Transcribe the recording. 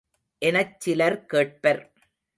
எனச் சிலர் கேட்பர்.